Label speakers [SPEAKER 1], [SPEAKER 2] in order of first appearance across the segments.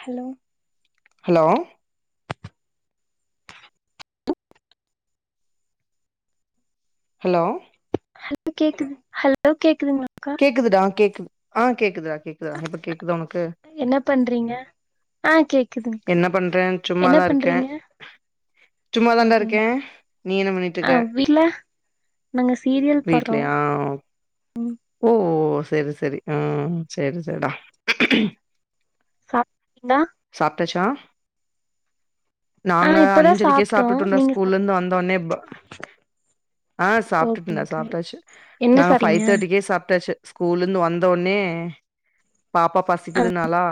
[SPEAKER 1] hello
[SPEAKER 2] hello hello
[SPEAKER 1] hello கேக்குது hello கேக்குதுங்களாக்கா
[SPEAKER 2] கேக்குதுடா கேக்குது ஆ கேக்குதா கேக்குதா இப்ப கேக்குதா ஒனக்கு
[SPEAKER 1] என்ன பண்றீங்க ஆ கேக்குதுங்க
[SPEAKER 2] என்ன பண்ற
[SPEAKER 1] என்ன
[SPEAKER 2] சும்மாதா இருக்கே
[SPEAKER 1] பண்றீங்க
[SPEAKER 2] சும்மாதான்டா இருக்கே
[SPEAKER 1] ஓகேங்க்கா
[SPEAKER 2] நீ என்ன பண்ணிட்டு
[SPEAKER 1] ஆ
[SPEAKER 2] இருக்க
[SPEAKER 1] வில நாங்க சீரியல் பாக்றோம்
[SPEAKER 2] வீட்லயா
[SPEAKER 1] ம்
[SPEAKER 2] ஓ செரி செரி ஆ செரி செரி டா
[SPEAKER 1] சாப் டிங்ளா
[SPEAKER 2] சாப்ட்டாச்சா
[SPEAKER 1] ஆ
[SPEAKER 2] நாங்க
[SPEAKER 1] இப்பதா
[SPEAKER 2] அஞ்சரைக்கே
[SPEAKER 1] சாப்ட்டோ
[SPEAKER 2] சாப்டுட்ருந்தோ
[SPEAKER 1] நீங்க
[SPEAKER 2] ஸ்கூல்ல
[SPEAKER 1] சாப்
[SPEAKER 2] இருந்து வந்தோனே ப ஆ சாப்புடுடன்டா
[SPEAKER 1] ஓகேங்க்கா
[SPEAKER 2] சாப்டாச்சு
[SPEAKER 1] என்ன
[SPEAKER 2] நாங்க
[SPEAKER 1] சாப்ட்டீங்க
[SPEAKER 2] பைஃவ் தேர்ட்டிக்கே சாப்ட்டாச்சு ஸ்கூல்ல இருந்து வந்தோனே பாப்பா
[SPEAKER 1] ஆ
[SPEAKER 2] பசிக்குதுனாளா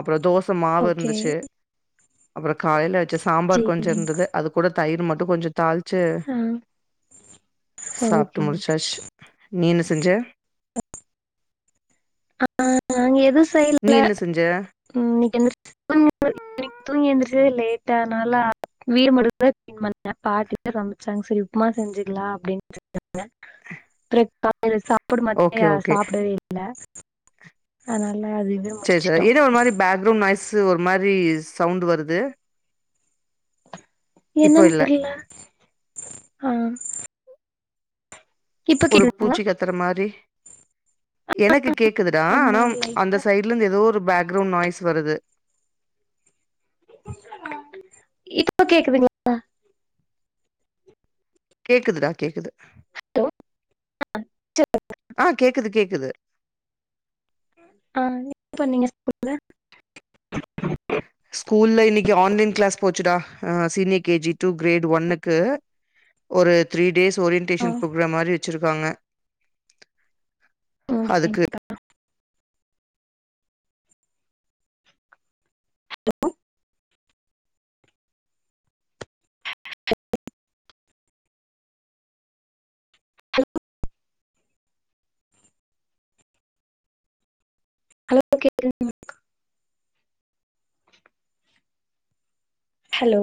[SPEAKER 2] அப்றோ தோச மாவு
[SPEAKER 1] ஓகே
[SPEAKER 2] இருந்துச்சு அப்பறோ காலையில வச்ச சாம்பார் கொஞ்சோ
[SPEAKER 1] சேரிங்
[SPEAKER 2] இருந்தது அது கூட தயிர் மட்டு கொஞ்சோ தாள்ச்சு
[SPEAKER 1] ஆ
[SPEAKER 2] சாப்ட்டு
[SPEAKER 1] ஓகேங்
[SPEAKER 2] முடுச்சாச்சு நீ என்ன செஞ்ச
[SPEAKER 1] ஆ அங்க எதுவு
[SPEAKER 2] நீ
[SPEAKER 1] செய்ல
[SPEAKER 2] என்ன செஞ்ச
[SPEAKER 1] உ இன்னைக் எந்த [inaudible] இன்னைக்கி தூங்கி எழுந்துரச்சதே லேட்டா அதுனால வீட மட்டுந்தா க்ளீன் பண்ணே பாட்டி தா சமச்சாங்க செரி உப்புமா செஞ்சுக்கலா அப்டின் செஞ்சாங்க ப்ரட் காலையில சாப்பாடு மட்டு
[SPEAKER 2] ஓகே
[SPEAKER 1] ஏ சாப்டவே இல்ல அதனால அதுவே
[SPEAKER 2] செரி
[SPEAKER 1] முடிச்சுட்டோ
[SPEAKER 2] சார் என்னா ஒரு மாரி பேக்ரவுண்ட் நாய்ஸ்ஸு ஒரு மாரி சவுண்டு வருது இப்போ
[SPEAKER 1] என்னன்
[SPEAKER 2] இல்ல
[SPEAKER 1] தெர்யில ஆ இப்ப
[SPEAKER 2] ஒரு
[SPEAKER 1] கேக்குதுங்களா
[SPEAKER 2] பூச்சி கத்துற மாரி எனக்கு கேக்குதுடா
[SPEAKER 1] ஆமா
[SPEAKER 2] ஆனா அந்த
[SPEAKER 1] லைட்டா
[SPEAKER 2] சைட் ட்ல இருந்து எதோ ஒரு பேக்ரவுண்ட் நாய்ஸ் வருது
[SPEAKER 1] இப்ப கேக்குதுங்ளா
[SPEAKER 2] கேக்குதுடா கேக்குது
[SPEAKER 1] ஹலோ
[SPEAKER 2] ஆ கேக்குது கேக்குது
[SPEAKER 1] ஆ இப்ப நீங்க சொ
[SPEAKER 2] ஸ்கூல்ல இன்னக்கி ஆன்லைன் கிளாஸ் போச்சுடா senior K G to grade ஒன்னுக்கு ஒரு த்ரீ டேஸ்
[SPEAKER 1] ஆ
[SPEAKER 2] ஓரியன்டேஷன் ப்ரோக்ராம் மாரி வச்சுருக்காங்க
[SPEAKER 1] ஓகே
[SPEAKER 2] அதுக்கு
[SPEAKER 1] ஹலோ ஹலோ கேக்குது ஹலோ